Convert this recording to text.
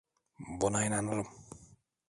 Buna inanırım.